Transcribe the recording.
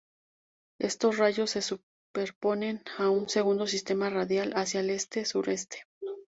Estos rayos se superponen a un segundo sistema radial hacia el este-sureste.